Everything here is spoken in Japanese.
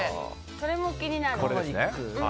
これも気になる。